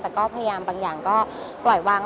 แต่ก็พยายามบางอย่างก็ปล่อยวาง